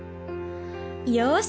よし！